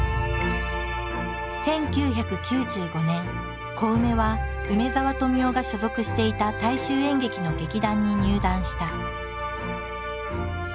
１９９５年コウメは梅沢富美男が所属していた大衆演劇の劇団に入団した。